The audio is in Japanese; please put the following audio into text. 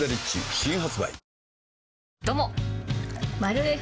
新発売